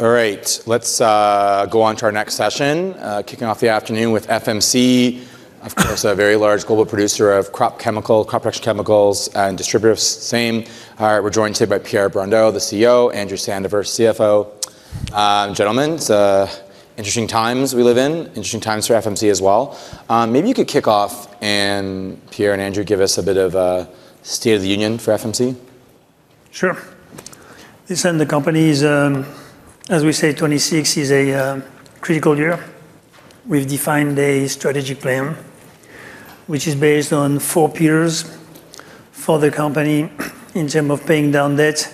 All right, let's go onto our next session. Kicking off the afternoon with FMC. Of course, a very large global producer of crop chemical, crop protection chemicals, and distributor of same. All right, we're joined today by Pierre Brondeau, the CEO, Andrew Sandifer, CFO. Gentlemen, it's a interesting times we live in, interesting times for FMC as well. Maybe you could kick off and Pierre and Andrew give us a bit of a state of the union for FMC. Sure. Listen, the company's, as we say, 2026 is a critical year. We've defined a strategic plan, which is based on four pillars for the company in term of paying down debt,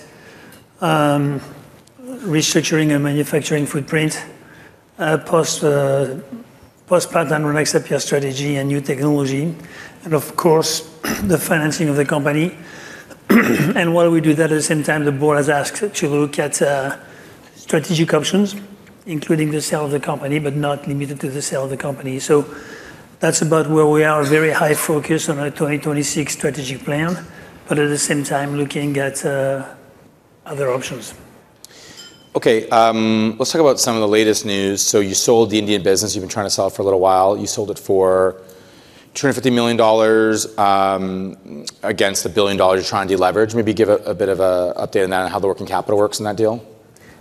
restructuring our manufacturing footprint, post-Pandemic asset strategy and new technology, of course, the financing of the company. While we do that, at the same time, the Board has asked to look at strategic options, including the sale of the company, but not limited to the sale of the company. That's about where we are. Very high focus on our 2026 strategic plan, but at the same time looking at other options. Let's talk about some of the latest news. You sold the Indian business you've been trying to sell it for a little while. You sold it for $250 million against the billion-dollars you're trying to deleverage. Maybe give a bit of a update on that and how the working capital works in that deal.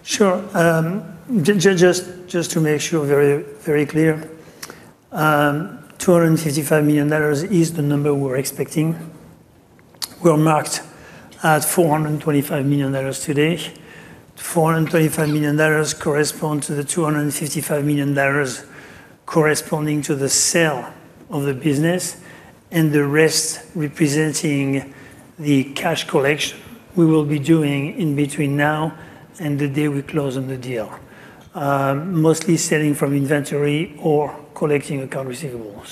Sure. Just to make sure very clear, $255 million is the number we're expecting. We're marked at $425 million today. $425 million correspond to the $255 million corresponding to the sale of the business, and the rest representing the cash collection we will be doing in between now and the day we close on the deal. Mostly selling from inventory or collecting account receivable.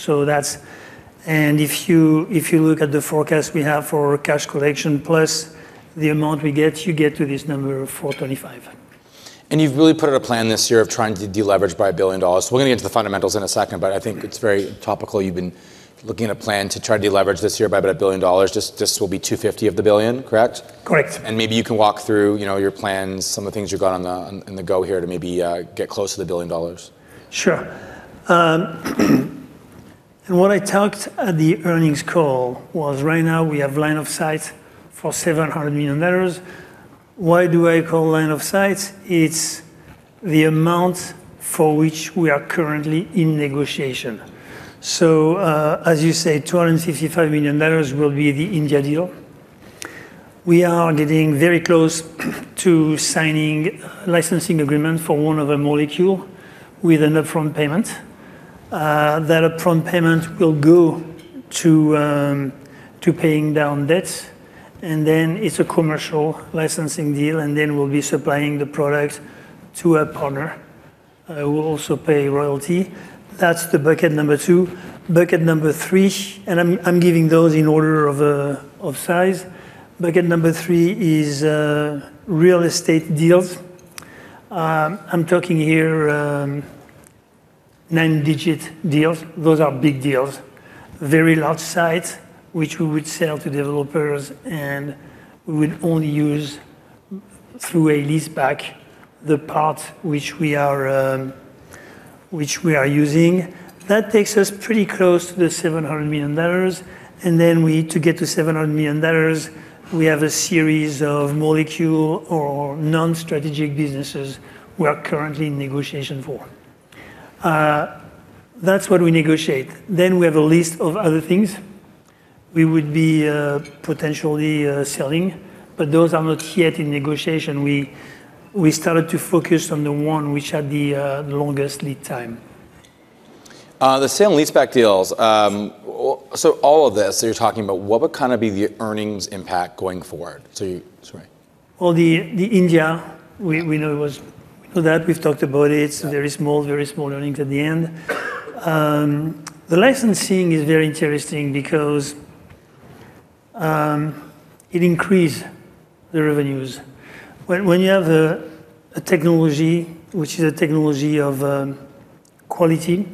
If you look at the forecast we have for cash collection plus the amount we get, you get to this number of $425 million. You've really put out a plan this year of trying to deleverage by $1 billion. We're gonna get to the fundamentals in a second, but I think it's very topical. You've been looking at a plan to try to deleverage this year by about $1 billion. This will be $250 million, correct? Correct. Maybe you can walk through, you know, your plans, some of the things you've got on the, on the go here to maybe get close to the billion dollars. Sure. What I talked at the earnings call was right now we have line of sight for $700 million. Why do I call line of sight? It's the amount for which we are currently in negotiation. As you say, $255 million will be the India deal. We are getting very close to signing a licensing agreement for one of the molecule with an upfront payment. That upfront payment will go to paying down debt, and then it's a commercial licensing deal, and then we'll be supplying the product to a partner who will also pay royalty. That's the bucket number two. Bucket number three. I'm giving those in order of size. Bucket number three is real estate deals. I'm talking here, nine-digit deals. Those are big deals. Very large sites which we would sell to developers, and we would only use through a leaseback the part which we are, which we are using. That takes us pretty close to the $700 million. To get to $700 million, we have a series of molecule or non-strategic businesses we are currently in negotiation for. That's what we negotiate. We have a list of other things we would be, potentially, selling, but those are not yet in negotiation. We started to focus on the one which had the longest lead time. The sale and leaseback deals, all of this you're talking about, what would kind of be the earnings impact going forward? Well, the India, we know that we've talked about it. Yeah. Very small, very small earnings at the end. The licensing is very interesting because it increase the revenues. When you have a technology which is a technology of quality,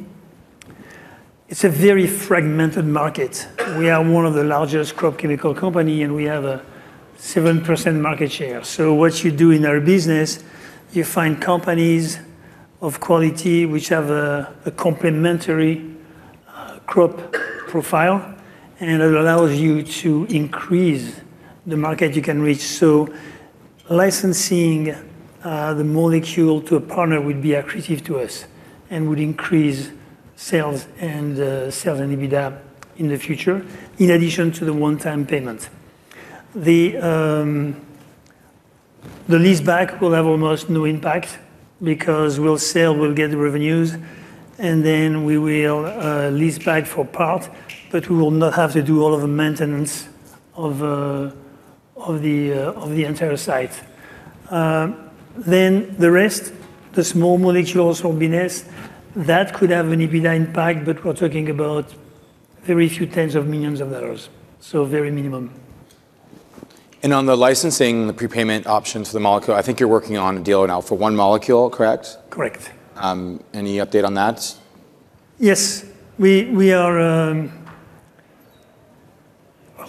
it's a very fragmented market. We are one of the largest crop chemical company, and we have a 7% market share. What you do in our business, you find companies of quality which have a complementary crop profile, and it allows you to increase the market you can reach. Licensing the molecule to a partner would be accretive to us and would increase sales and EBITDA in the future, in addition to the one-time payment. The leaseback will have almost no impact because we'll sell, we'll get the revenues, and then we will lease back for part, but we will not have to do all of the maintenance of the entire site. The rest, the small molecules from business, that could have an EBITDA impact, but we're talking about very few tens of millions of dollars. very minimum. On the licensing, the prepayment option for the molecule, I think you're working on a deal now for one molecule, correct? Correct. Any update on that? Yes. We are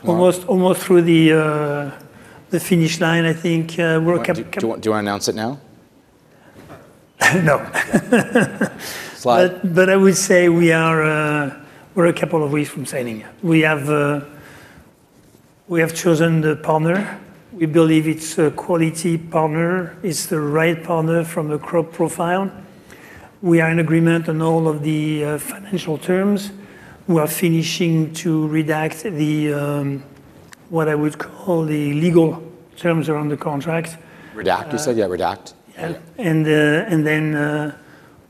Almost through the finish line, think. Do you want to announce it now? No. Yeah. Slide. I would say we are, we're a couple of weeks from signing it. We have chosen the partner. We believe it's a quality partner, it's the right partner from the crop profile. We are in agreement on all of the financial terms. We are finishing to redact the what I would call the legal terms around the contract. Redact, you said? Yeah, redact. Yeah. Okay. And then,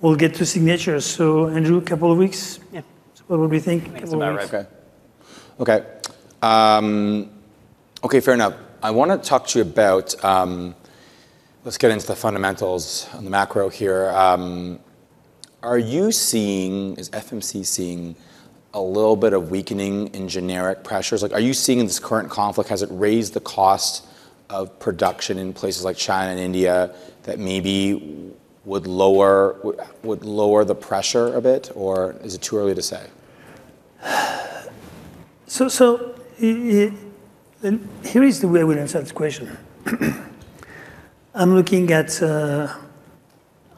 we'll get to signatures. Andrew, a couple of weeks? Yeah. Is what we think. I think that's about right. Okay. Okay. Okay, fair enough. I wanna talk to you about, let's get into the fundamentals on the macro here. Are you seeing, is FMC seeing a little bit of weakening in generic pressures? Like, are you seeing in this current conflict, has it raised the cost of production in places like China and India that maybe would lower the pressure a bit, or is it too early to say? Here is the way we answer this question. I'm looking at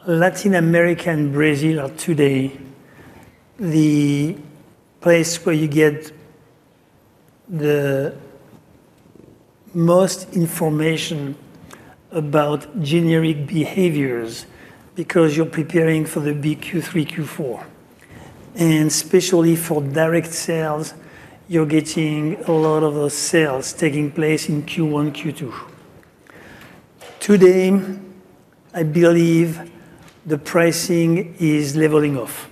Latin America and Brazil are today the place where you get the most information about generic behaviors, because you're preparing for the big Q3, Q4. Especially for direct sales, you're getting a lot of those sales taking place in Q1, Q2. Today, I believe the pricing is leveling off.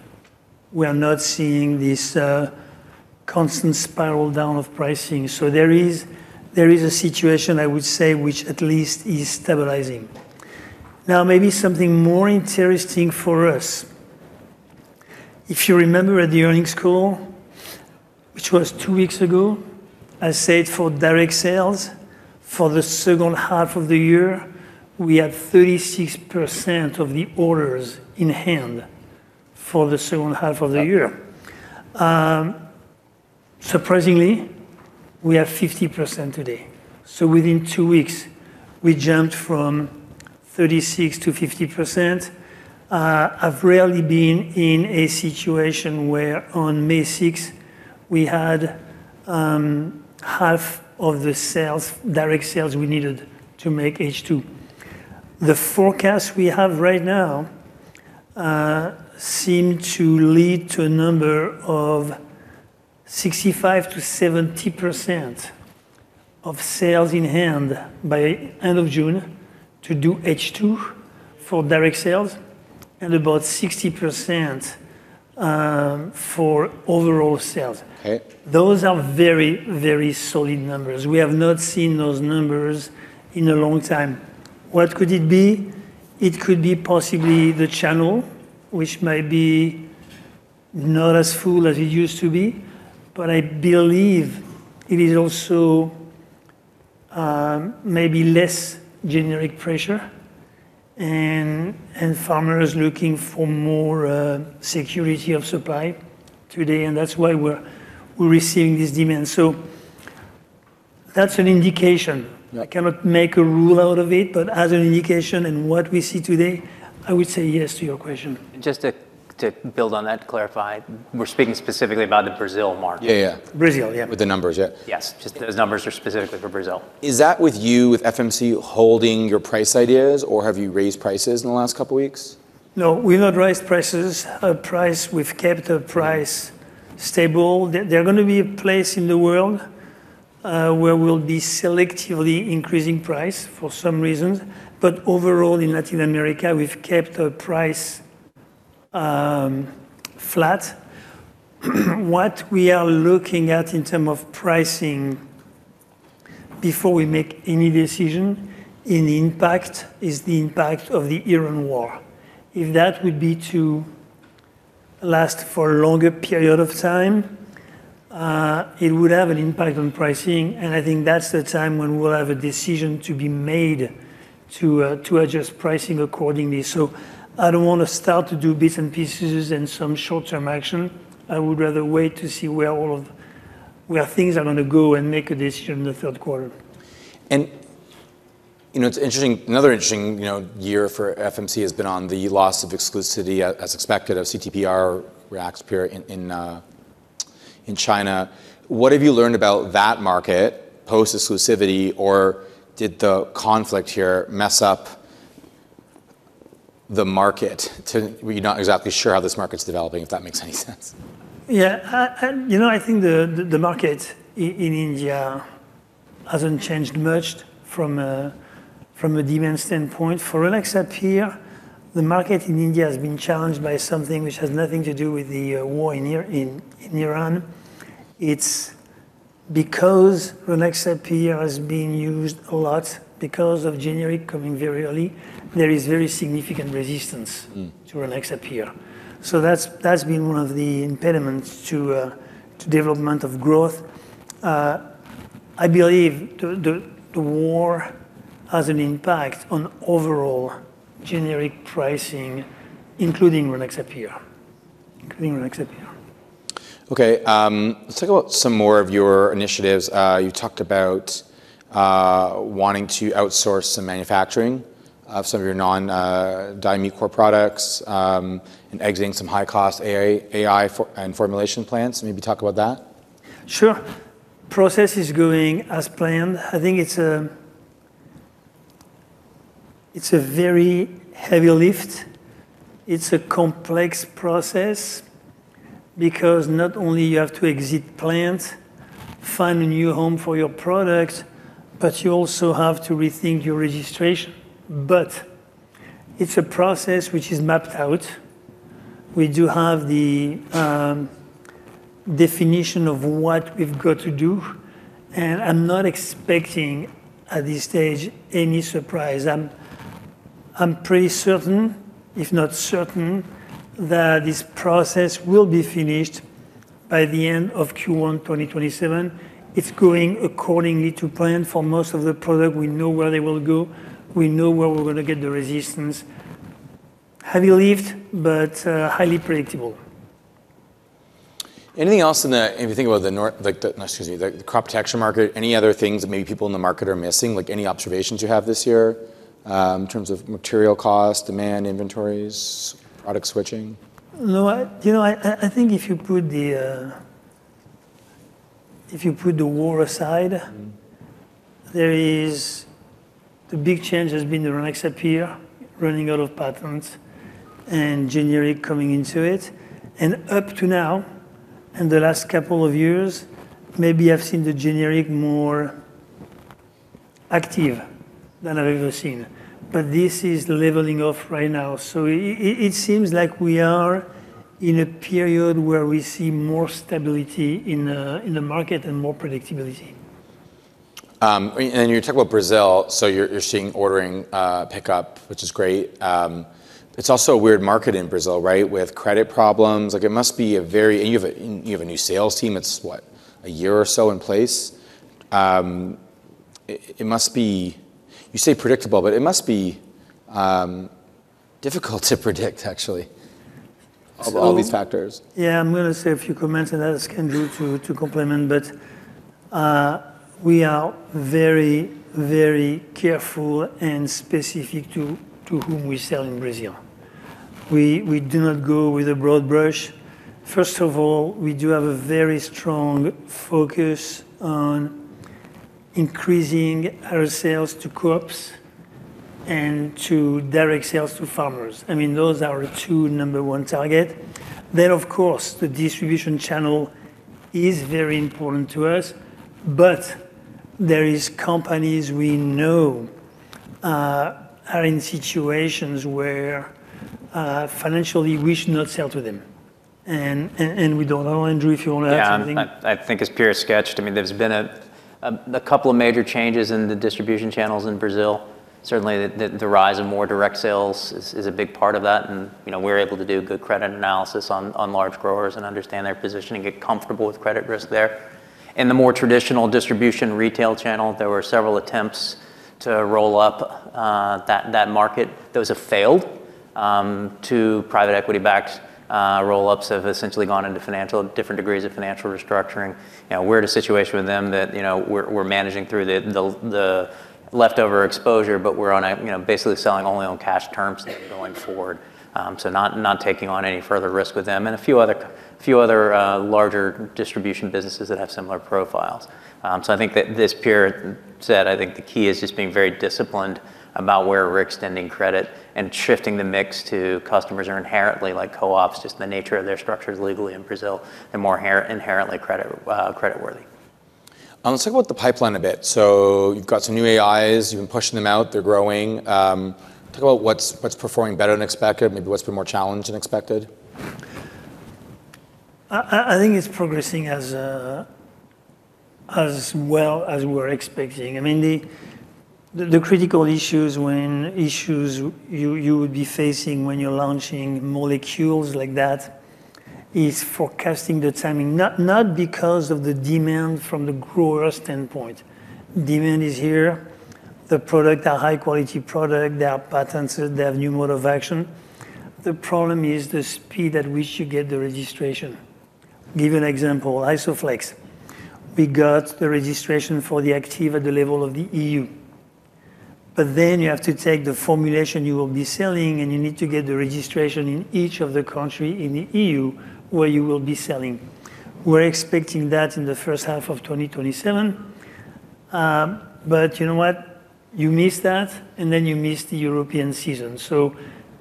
We are not seeing this constant spiral down of pricing. There is a situation, I would say, which at least is stabilizing. Maybe something more interesting for us. If you remember at the earnings call, which was two weeks ago, I said for direct sales, for the second half of the year, we have 36% of the orders in hand for the second half of the year. Surprisingly, we have 50% today. Within two weeks we jumped from 36-50%. I've rarely been in a situation where on May 6th we had half of the sales, direct sales we needed to make H2. The forecast we have right now seem to lead to a number of 65%-70% of sales in hand by end of June to do H2 for direct sales, and about 60% for overall sales. Okay. Those are very solid numbers. We have not seen those numbers in a long time. What could it be? It could be possibly the channel, which may be not as full as it used to be, but I believe it is also maybe less generic pressure and farmers looking for more security of supply today, and that's why we're receiving this demand. That's an indication. Yeah. I cannot make a rule out of it, but as an indication in what we see today, I would say yes to your question. Just to build on that, to clarify, we're speaking specifically about the Brazil market. Yeah, yeah. Brazil. Yeah. With the numbers, yeah. Yes. Just those numbers are specifically for Brazil. Is that with you, with FMC holding your price ideas, or have you raised prices in the last couple weeks? No, we've not raised prices. Our price, we've kept the price stable. There are gonna be a place in the world where we'll be selectively increasing price for some reasons, but overall in Latin America, we've kept our price flat. What we are looking at in terms of pricing before we make any decision in impact is the impact of the Iran war. If that would be to last for a longer period of time, it would have an impact on pricing, and I think that's the time when we'll have a decision to be made to adjust pricing accordingly. I don't wanna start to do bits and pieces and some short-term action. I would rather wait to see where things are gonna go and make a decision in the third quarter. You know, it's interesting, another interesting, you know, year for FMC has been on the loss of exclusivity as expected of CTPR, Rynaxypyr in China. What have you learned about that market post exclusivity, or did the conflict here mess up the market to where you're not exactly sure how this market's developing, if that makes any sense? Yeah. You know, I think the market in India hasn't changed much from a demand standpoint. For Rynaxypyr, the market in India has been challenged by something which has nothing to do with the war in Iran. It's because Rynaxypyr has been used a lot because of generic coming very early, there is very significant resistance to Rynaxypyr. That's been one of the impediments to development of growth. I believe the war has an impact on overall generic pricing, including Rynaxypyr. Rynaxypyr Let's talk about some more of your initiatives. You talked about wanting to outsource some manufacturing of some of your non-diamide core products, and exiting some high-cost AI and formulation plans. Maybe talk about that. Sure. Process is going as planned. I think it's a very heavy lift. It's a complex process because not only you have to exit plant, find a new home for your product, but you also have to rethink your registration. It's a process which is mapped out. We do have the definition of what we've got to do, and I'm not expecting at this stage any surprise. I'm pretty certain, if not certain, that this process will be finished by the end of Q1 2027. It's going accordingly to plan. For most of the product, we know where they will go. We know where we're gonna get the resistance. Heavy lift, highly predictable. Anything else, no, excuse me, the crop protection market, any other things that maybe people in the market are missing? Like any observations you have this year, in terms of material cost, demand, inventories, product switching? No, I, you know, I think if you put the, if you put the war aside. The big change has been the Rynaxypyr running out of patents and generic coming into it. Up to now, in the last couple of years, maybe I've seen the generic more active than I've ever seen. This is leveling off right now. It seems like we are in a period where we see more stability in the market and more predictability. You talk about Brazil, so you're seeing ordering pick up, which is great. It's also a weird market in Brazil, right? With credit problems. Like, it must be. And you have a new sales team that's what, a year or so in place? You say predictable, but it must be difficult to predict actually. So- all these factors. Yeah. I'm gonna say a few comments and ask Andrew to complement. We are very careful and specific to whom we sell in Brazil. We do not go with a broad brush. First of all, we do have a very strong focus on increasing our sales to co-ops and to direct sales to farmers. I mean, those are our two number one target. Of course, the distribution channel is very important to us. There is companies we know are in situations where financially we should not sell to them. We don't know. Andrew, if you wanna add something. I think as Pierre sketched, I mean, there's been a couple of major changes in the distribution channels in Brazil. Certainly the rise of more direct sales is a big part of that. You know, we're able to do good credit analysis on large growers and understand their position and get comfortable with credit risk there. In the more traditional distribution retail channel, there were several attempts to roll up that market. Those have failed, two private equity backed roll-ups have essentially gone into different degrees of financial restructuring. You know, we're at a situation with them that, you know, we're managing through the leftover exposure, but we're on a, you know, basically selling only on cash terms going forward. Not taking on any further risk with them and a few other larger distribution businesses that have similar profiles. I think that this Pierre said, I think the key is just being very disciplined about where we're extending credit and shifting the mix to customers are inherently like co-ops, just the nature of their structures legally in Brazil, they're more inherently credit worthy. Let's talk about the pipeline a bit. You've got some new AIs, you've been pushing them out, they're growing. Talk about what's performing better than expected, maybe what's been more challenged than expected. I think it's progressing as well as we're expecting. I mean, the critical issues when issues you would be facing when you're launching molecules like that is forecasting the timing, not because of the demand from the grower standpoint. Demand is here. The product are high quality product. There are patents. They have new mode of action. The problem is the speed at which you get the registration. Give you an example, Isoflex. We got the registration for the active at the level of the EU, but then you have to take the formulation you will be selling, and you need to get the registration in each of the country in the EU where you will be selling. We're expecting that in the first half of 2027. You know what? You miss that, and then you miss the European season.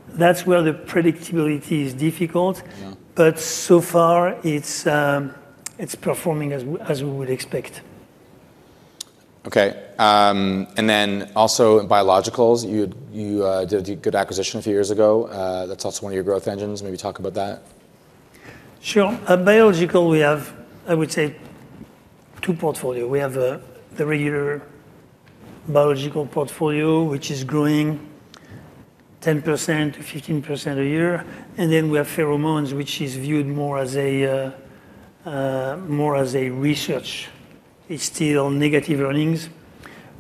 That's where the predictability is difficult. Yeah. So far it's performing as we would expect. Okay. Also in biologicals, you did a good acquisition a few years ago. That's also one of your growth engines. Maybe talk about that. Sure. At biological we have, I would say, two portfolio. We have the regular biological portfolio, which is growing 10%-15% a year. Then we have pheromones, which is viewed more as a, more as a research. It's still negative earnings.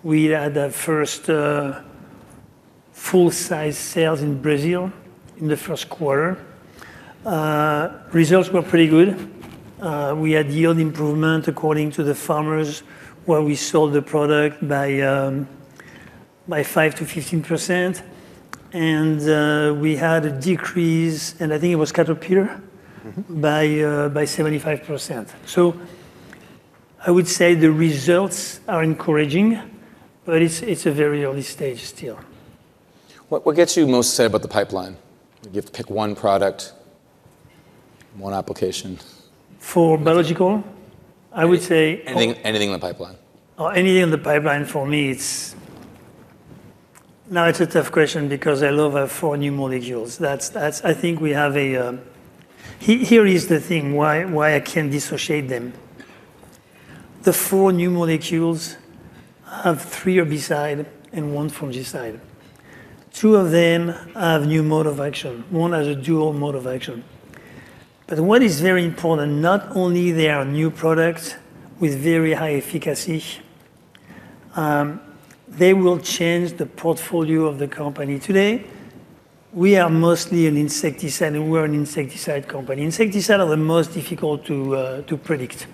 We had our first full size sales in Brazil in the first quarter. Results were pretty good. We had yield improvement according to the farmers where we sold the product by 5%-15%. We had a decrease, and I think it was caterpillar- by 75%. I would say the results are encouraging, but it's a very early stage still. What gets you most excited about the pipeline? If you have to pick one product, one application. For biological? I would say- Anything in the pipeline. Anything in the pipeline for me it's. Now, it's a tough question because I love our four new molecules. That's, I think we have a, here is the thing why I can't dissociate them. The four new molecules have three herbicide and one fungicide. Two of them have new mode of action. One has a dual mode of action. What is very important, not only they are new products with very high efficacy, they will change the portfolio of the company. Today, we are mostly an insecticide, we're an insecticide company. Insecticide are the most difficult to predict.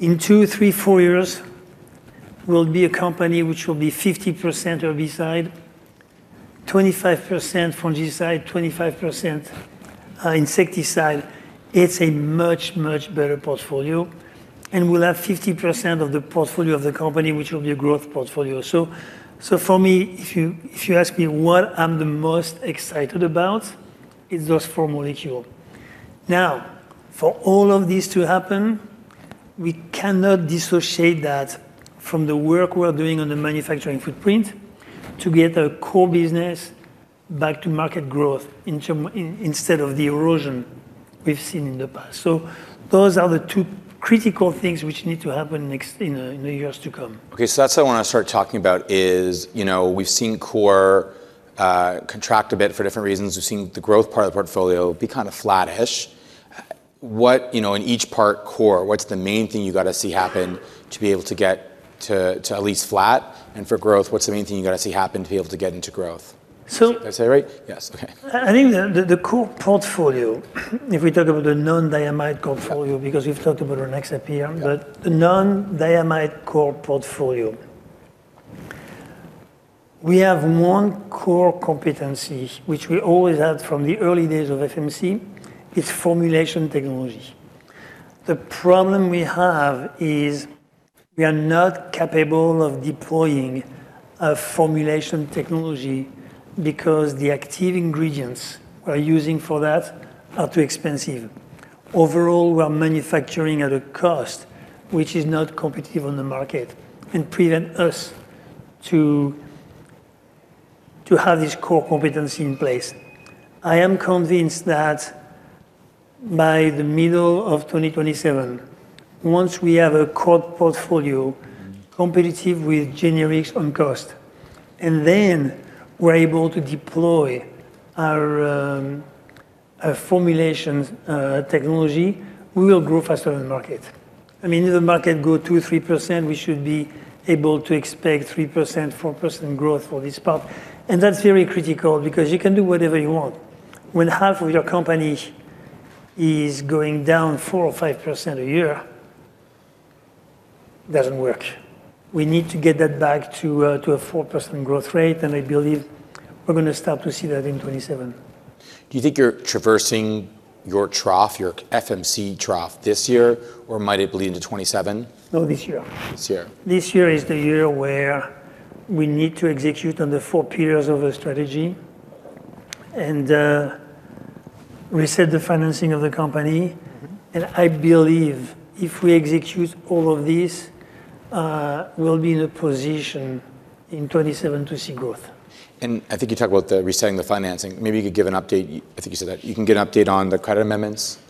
In two, three, four years, we'll be a company which will be 50% herbicide, 25% fungicide, 25% insecticide. It's a much, much better portfolio, and will have 50% of the portfolio of the company, which will be a growth portfolio. For me, if you, if you ask me what I'm the most excited about, it's those four molecules. Now, for all of this to happen, we cannot dissociate that from the work we're doing on the manufacturing footprint to get a core business back to market growth instead of the erosion we've seen in the past. Those are the two critical things which need to happen next, in the years to come. Okay. That's what I wanna start talking about is, you know, we've seen core, contract a bit for different reasons. We've seen the growth part of the portfolio be kind of flattish. You know, in each part core, what's the main thing you gotta see happen to be able to get to at least flat? For growth, what's the main thing you gotta see happen to be able to get into growth? So- Did I say it right? Yes. Okay. I think the core portfolio, if we talk about the non-diamide portfolio, because we've talked about our next Rynaxypyr. Yeah. The non-diamide core portfolio. We have one core competencies which we always had from the early days of FMC, is formulation technologies. The problem we have is we are not capable of deploying a formulation technology because the active ingredients we're using for that are too expensive. Overall, we're manufacturing at a cost which is not competitive on the market and prevent us to have this core competency in place. I am convinced that by the middle of 2027, once we have a core portfolio competitive with generics on cost, and then we're able to deploy our formulations technology, we will grow faster than the market. I mean, if the market grow 2%-3%, we should be able to expect 3%-4% growth for this part. That's very critical because you can do whatever you want. When half of your company is going down 4% or 5% a year, doesn't work. We need to get that back to a 4% growth rate, and I believe we're going to start to see that in 2027. Do you think you're traversing your trough, your FMC trough this year, or might it bleed into 2027? No, this year. This year. This year is the year where we need to execute on the four pillars of our strategy and reset the financing of the company. I believe if we execute all of this, we'll be in a position in 2027 to see growth. I think you talked about the resetting the financing. Maybe you could give an update. I think you said that. You can give an update on the credit amendments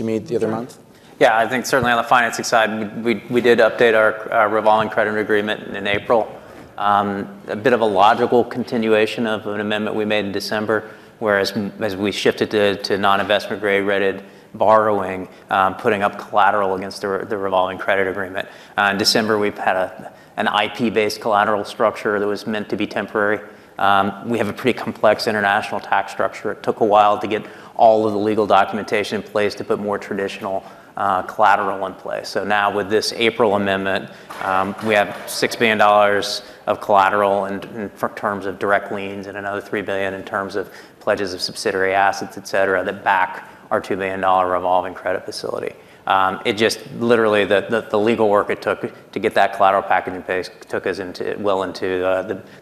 you made the other month. Sure. Yeah. I think certainly on the financing side, we did update our revolving credit agreement in April. A bit of a logical continuation of an amendment we made in December, as we shifted to non-investment grade rated borrowing, putting up collateral against the revolving credit agreement. In December, we've had an IP-based collateral structure that was meant to be temporary. We have a pretty complex international tax structure. It took a while to get all of the legal documentation in place to put more traditional collateral in place. Now with this April amendment, we have $6 billion of collateral in terms of direct liens and another $3 billion in terms of pledges of subsidiary assets, et cetera, that back our $2 billion revolving credit facility. It just literally the legal work it took to get that collateral packaging in place took us well into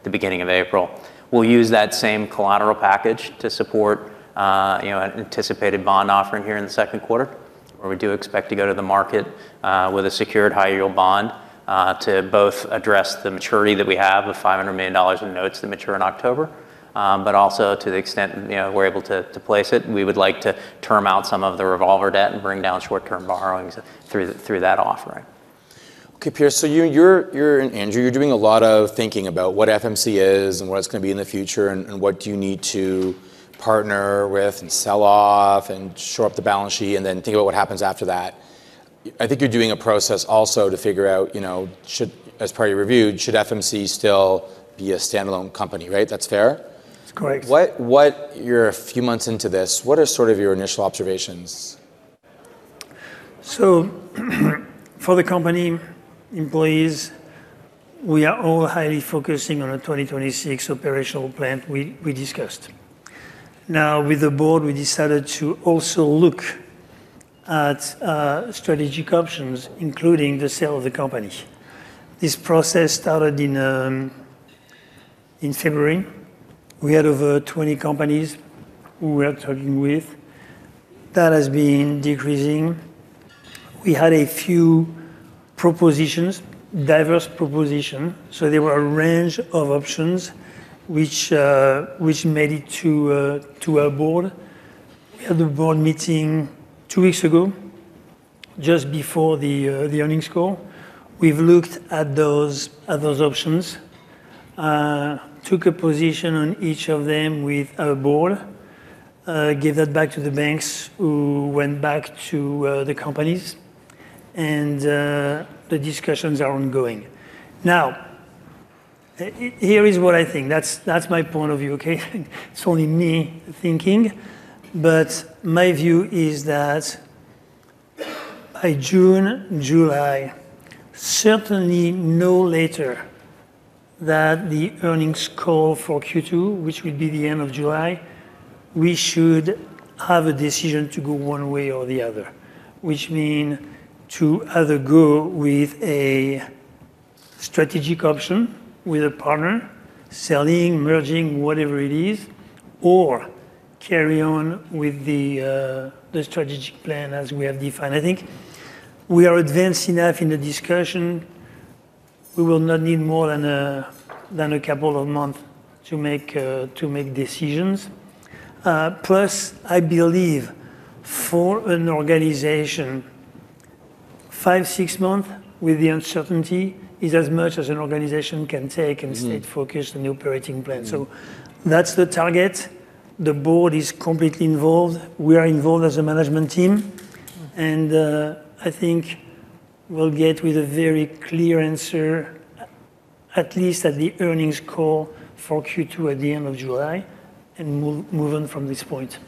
the beginning of April. We'll use that same collateral package to support, you know, an anticipated bond offering here in the second quarter, where we do expect to go to the market with a secured high yield bond to both address the maturity that we have of $500 million in notes that mature in October. Also to the extent, you know, we're able to place it, we would like to term out some of the revolver debt and bring down short-term borrowings through that offering. Okay, Pierre, you're and Andrew, you're doing a lot of thinking about what FMC is and what it's gonna be in the future and what do you need to partner with and sell off and shore up the balance sheet, and then think about what happens after that. I think you're doing a process also to figure out, you know, should, as part of your review, should FMC still be a standalone company, right? That's fair? That's correct. What You're a few months into this, what are sort of your initial observations? For the company employees, we are all highly focusing on a 2026 operational plan we discussed. With the Board, we decided to also look at strategic options, including the sale of the company. This process started in February. We had over 20 companies who we are talking with. That has been decreasing. We had a few propositions, diverse proposition. There were a range of options which made it to our board. We had a Board meeting two weeks ago, just before the earnings call. We've looked at those options, took a position on each of them with our Board, gave that back to the banks who went back to the companies, the discussions are ongoing. Here is what I think. That's my point of view, okay? It's only me thinking, but my view is that by June, July, certainly no later than the earnings call for Q2, which will be the end of July, we should have a decision to go one way or the other. Meaning to either go with a strategic option with a partner, selling, merging, whatever it is, or carry on with the strategic plan as we have defined. I think we are advanced enough in the discussion, we will not need more than a couple of months to make decisions. Plus, I believe for an organization, five, six months with the uncertainty is as much as an organization can take stay focused on the operating plan. That's the target. The board is completely involved. We are involved as a management team. I think we'll get with a very clear answer, at least at the earnings call for Q2 at the end of July, and move on from this point.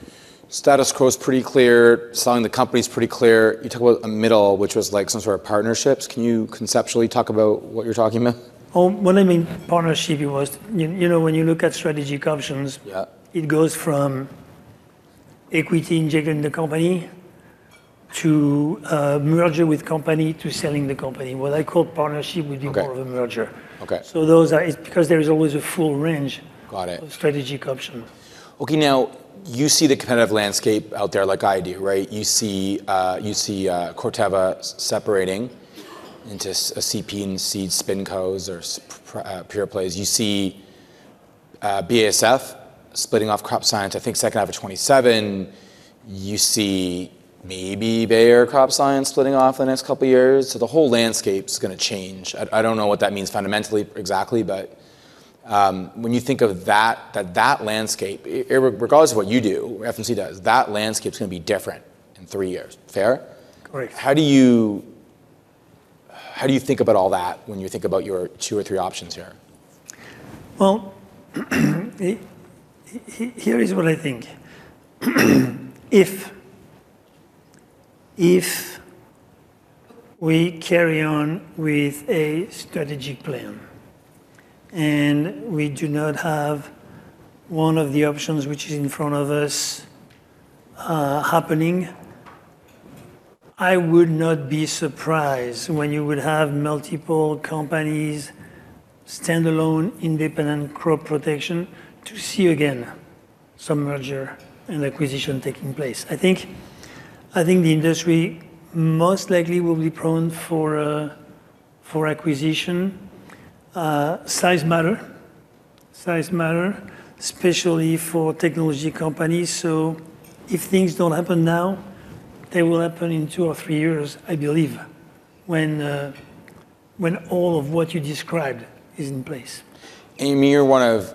Status quo is pretty clear. Selling the company's pretty clear. You talk about a middle, which was like some sort of partnerships. Can you conceptually talk about what you're talking about? Oh, what I mean partnership, it was You know, when you look at strategic options. Yeah it goes from equity injecting the company to a merger with company to selling the company. What I call partnership would be. Okay more of a merger. Okay. It's because there is always a full range- Got it. of strategic option. Okay. Now, you see the kind of landscape out there like I do, right? You see, you see Corteva separating into a CP and seed spincos or pure plays. You see BASF splitting off crop science, I think second half of 2027. You see maybe Bayer Crop Science splitting off in the next 2 years. The whole landscape's gonna change. I don't know what that means fundamentally exactly, but when you think of that landscape, regardless of what you do, FMC does, that landscape's gonna be different in three years. Fair? Correct. How do you think about all that when you think about your two or three options here? Well, here is what I think. If we carry on with a strategic plan and we do not have one of the options which is in front of us, happening, I would not be surprised when you would have multiple companies, standalone, independent crop protection to see again some merger and acquisition taking place. I think the industry most likely will be prone for acquisition. Size matter. Size matter, especially for technology companies. If things don't happen now, they will happen in two or three years, I believe, when all of what you described is in place. You're one of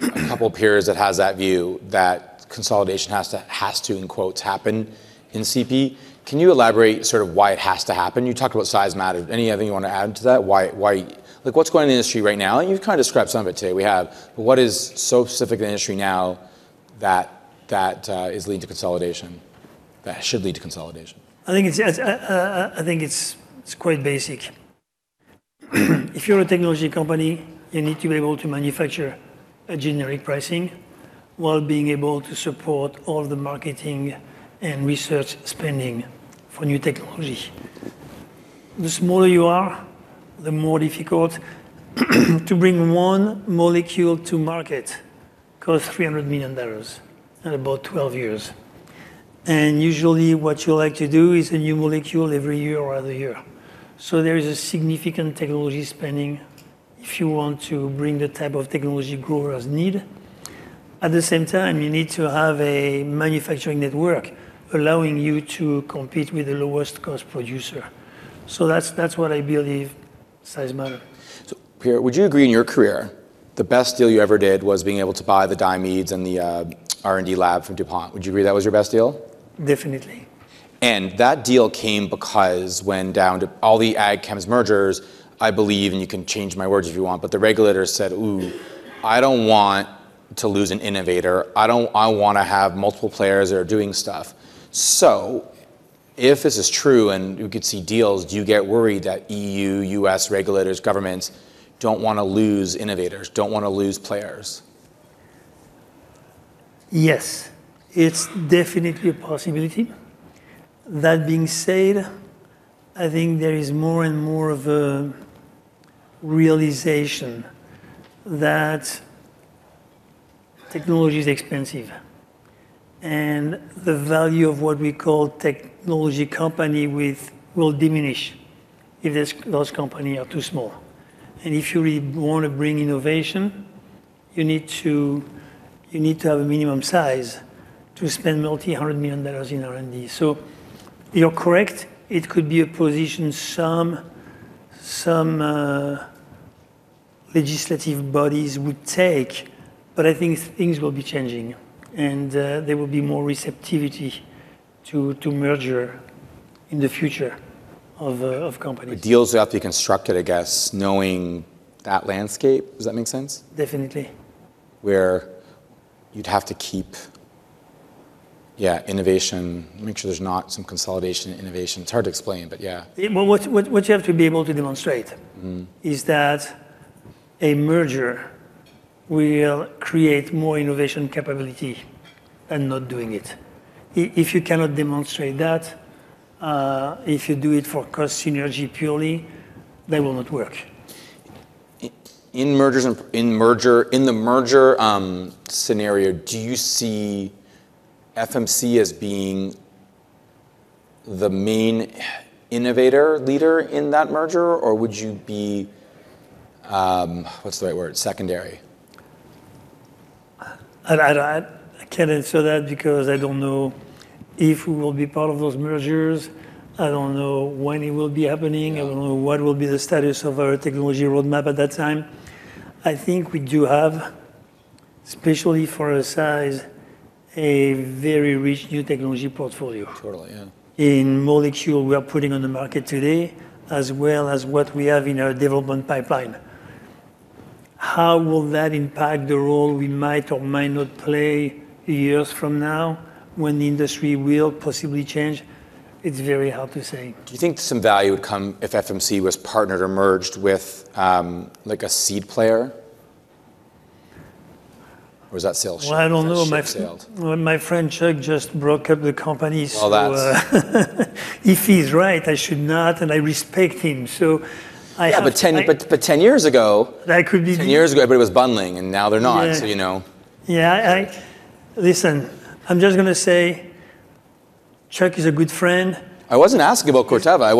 a couple peers that has that view that consolidation has to, has to in quotes happen in CP. Can you elaborate sort of why it has to happen? You talked about size matters. Any other thing you wanna add to that? Why, like, what's going on in the industry right now? You've kind of described some of it today. What is so specific to the industry now that is leading to consolidation, that should lead to consolidation? I think it's quite basic. If you're a technology company, you need to be able to manufacture a generic pricing while being able to support all the marketing and research spending for new technology. The smaller you are, the more difficult. To bring one molecule to market costs $300 million and about 12 years. Usually, what you like to do is a new molecule every year or other year. There is a significant technology spending if you want to bring the type of technology growers need. At the same time, you need to have a manufacturing network allowing you to compete with the lowest cost producer. That's, that's what I believe, size matters. Pierre, would you agree in your career the best deal you ever did was being able to buy the diamides and the R&D lab from DuPont? Would you agree that was your best deal? Definitely. That deal came because when DowDuPont ag chems mergers, I believe, and you can change my words if you want, but the regulators said, "Ooh, I don't want to lose an innovator. I don't I want to have multiple players that are doing stuff." If this is true and we could see deals, do you get worried that EU, U.S. regulators, governments don't wanna lose innovators, don't wanna lose players? Yes. It's definitely a possibility. That being said, I think there is more and more of a realization that technology is expensive, and the value of what we call technology company will diminish if those company are too small. If you really wanna bring innovation, you need to have a minimum size to spend multi $100 million in R&D. You're correct, it could be a position some legislative bodies would take, but I think things will be changing and there will be more receptivity to merger in the future of companies. Deals have to be constructed, I guess, knowing that landscape. Does that make sense? Definitely. Where you'd have to keep, yeah, innovation. Make sure there's not some consolidation in innovation. It's hard to explain, but yeah. Well, what you have to be able to demonstrate. is that a merger will create more innovation capability than not doing it. If you cannot demonstrate that, if you do it for cost synergy purely, they will not work. In mergers and in the merger scenario, do you see FMC as being the main innovator leader in that merger? Would you be, what's the right word? Secondary. I can't answer that because I don't know if we will be part of those mergers. I don't know when it will be happening. Yeah. I don't know what will be the status of our technology roadmap at that time. I think we do have, especially for a size, a very rich new technology portfolio. Totally, yeah. in molecule we are putting on the market today, as well as what we have in our development pipeline. How will that impact the role we might or might not play years from now when the industry will possibly change? It's very hard to say. Do you think some value would come if FMC was partnered or merged with, like a seed player? Well, I don't know. sales My friend Chuck just broke up the companies. All that. If he's right, I should not, and I respect him. Yeah, 10, but 10 years ago. I could be- 10 years ago everybody was bundling and now they're not. Yeah. You know. Yeah, I, listen, I'm just gonna say Chuck is a good friend. I wasn't asking about Corteva. No, but- I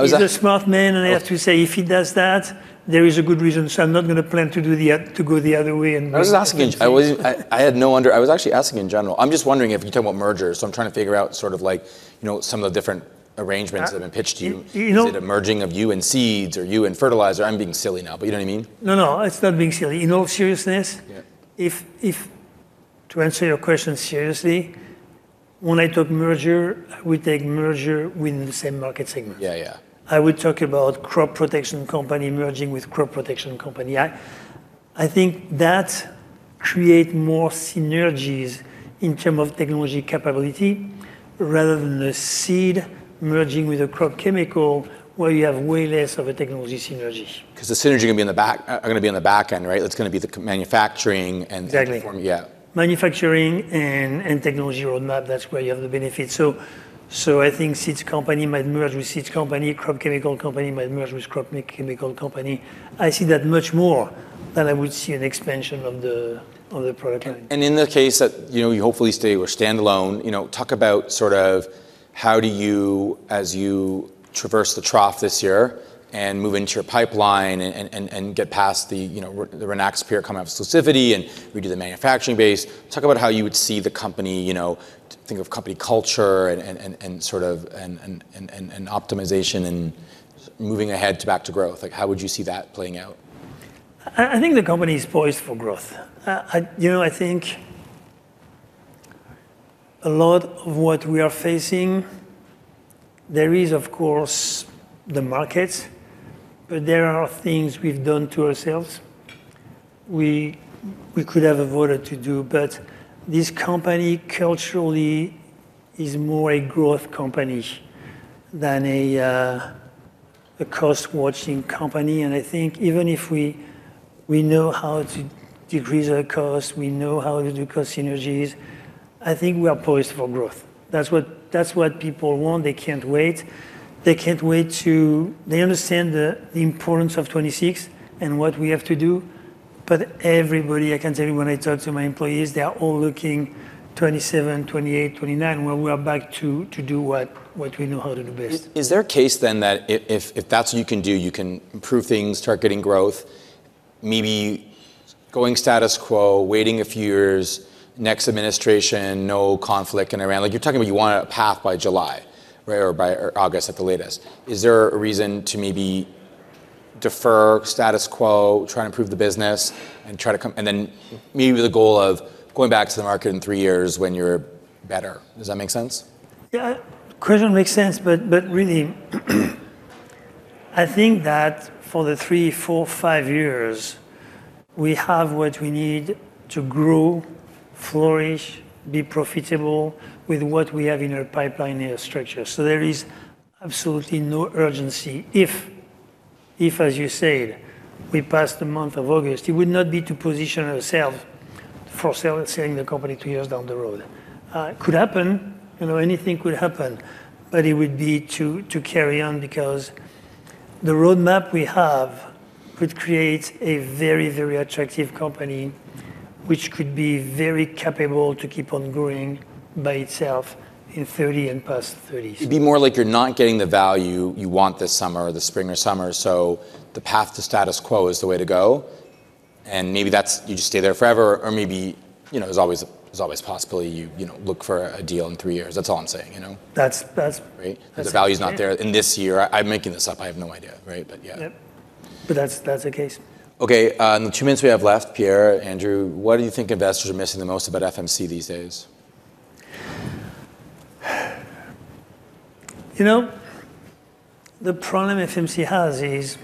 was ask- He's a smart man, and I have to say if he does that, there is a good reason. I'm not gonna plan to go the other way and make a mistake. I was actually asking in general. I'm just wondering if, you're talking about mergers, so I'm trying to figure out sort of like, you know, some of the different arrangements that have been pitched to you. You know- Is it a merging of you and seeds or you and fertilizer? I'm being silly now, but you know what I mean? No, no, it's not being silly. In all seriousness. Yeah If, to answer your question seriously, when I talk merger, we take merger within the same market segment. Yeah, yeah. I would talk about crop protection company merging with crop protection company. I think that create more synergies in term of technology capability rather than the seed merging with a crop chemical where you have way less of a technology synergy. 'Cause the synergy gonna be in the back, are gonna be on the back end, right? Exactly platform, yeah. Manufacturing and technology roadmap, that's where you have the benefit. I think seeds company might merge with seeds company, crop chemical company might merge with crop chemical company. I see that much more than I would see an expansion on the, on the product line. In the case that, you know, you hopefully stay or standalone, you know, talk about sort of how do you, as you traverse the trough this year and move into your pipeline and get past the, you know, Rynaxypyr coming off exclusivity and redo the manufacturing base. Talk about how you would see the company, you know, think of company culture and sort of, and optimization and moving ahead to back to growth. Like, how would you see that playing out? I think the company's poised for growth. I, you know, I think a lot of what we are facing, there is of course the market, but there are things we've done to ourselves we could have avoided to do. This company culturally is more a growth company than a cost-watching company. I think even if we know how to decrease our cost, we know how to do cost synergies, I think we are poised for growth. That's what people want. They can't wait. They understand the importance of 2026 and what we have to do, but everybody, I can tell you when I talk to my employees, they are all looking 2027, 2028, 2029 when we are back to do what we know how to do best. Is there a case then that if that's what you can do, you can improve things, start getting growth, going status quo, waiting a few years, next administration, no conflict in Iran? You're talking about you want a path by July, right? Or August at the latest. Is there a reason to maybe defer status quo, try and improve the business, and try and then maybe the goal of going back to the market in three years when you're better? Does that make sense? Yeah. Question makes sense, but really, I think that for the three, four, five years we have what we need to grow, flourish, be profitable with what we have in our pipeline structure. There is absolutely no urgency. If as you said, we pass the month of August, it would not be to position ourselves for selling the company two years down the road. Could happen, you know, anything could happen, but it would be to carry on because the roadmap we have could create a very, very attractive company which could be very capable to keep on growing by itself in 2030 and past 2030. It'd be more like you're not getting the value you want this summer, or the spring or summer. The path to status quo is the way to go. Maybe that's, you just stay there forever or maybe, you know, there's always possibly you know, look for a deal in three years. That's all I'm saying, you know? That's. Right? That's fair. The value's not there in this year. I'm making this up. I have no idea, right? Yeah. Yep. That's the case. Okay. In the two minutes we have left, Pierre, Andrew, what do you think investors are missing the most about FMC these days? You know, the problem FMC has is,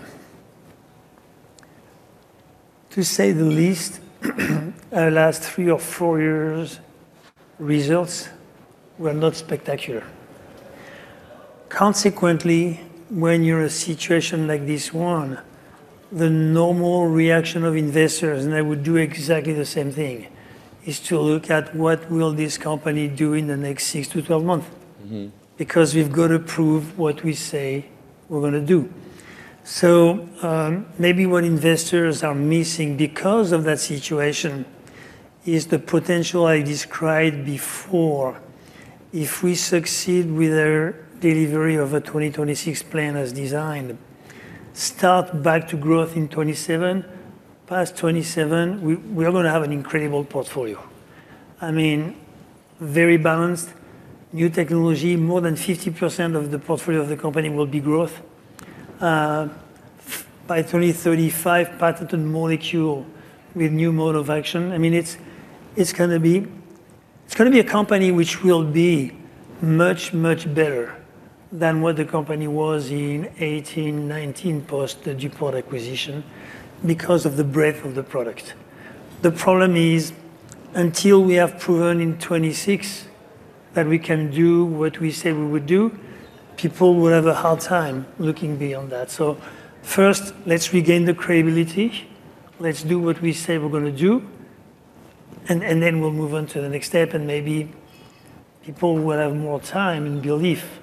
to say the least, our last three or four years results were not spectacular. When you're a situation like this one, the normal reaction of investors, and I would do exactly the same thing, is to look at what will this company do in the next six to 12 month. We've got to prove what we say we're gonna do. Maybe what investors are missing because of that situation is the potential I described before. If we succeed with our delivery of a 2026 plan as designed, start back to growth in 2027, past 2027, we are gonna have an incredible portfolio. I mean, very balanced, new technology, more than 50% of the portfolio of the company will be growth. By 2035, patented molecule with new mode of action. I mean, it's gonna be a company which will be much better than what the company was in 2018, 2019, post the DuPont acquisition because of the breadth of the product. The problem is, until we have proven in 2026 that we can do what we say we would do, people will have a hard time looking beyond that. First, let's regain the credibility. Let's do what we say we're gonna do, and then we'll move on to the next step, and maybe people will have more time and belief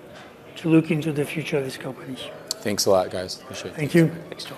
to look into the future of this company. Thanks a lot, guys. Appreciate it. Thank you. Thanks, John.